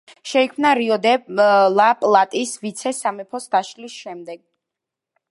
შეიქმნა რიო-დე-ლა-პლატის ვიცე-სამეფოს დაშლის შემდეგ.